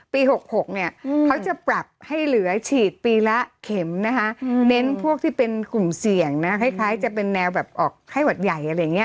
ปี๖๖เนี่ยเขาจะปรับให้เหลือฉีดปีละเข็มนะคะเน้นพวกที่เป็นกลุ่มเสี่ยงนะคล้ายจะเป็นแนวแบบออกไข้หวัดใหญ่อะไรอย่างนี้